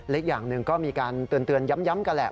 อีกอย่างหนึ่งก็มีการเตือนย้ำกันแหละ